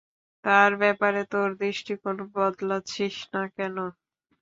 তার ব্যাপারে তোর দৃষ্টিকোণ বদলাচ্ছিস না কেন?